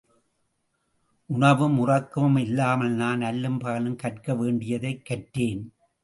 உணவும், உறக்கமும் இல்லாமல் நான், அல்லும் பகலும் கற்க வேண்டியதைக் கற்றேன்.